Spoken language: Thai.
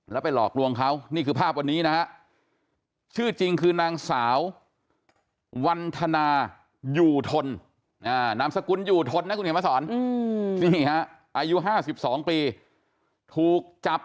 แล้วไปหลอกหลวงเขานี่คือภาพวันนี้นะครับ